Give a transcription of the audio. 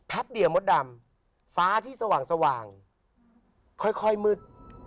เดียวมดดำฟ้าที่สว่างค่อยมืด